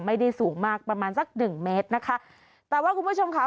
ไม่ได้สูงมากประมาณสักหนึ่งเมตรนะคะแต่ว่าคุณผู้ชมค่ะ